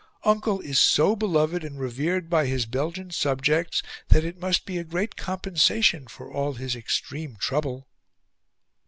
Uncle is so beloved and revered by his Belgian subjects, that it must be a great compensation for all his extreme trouble."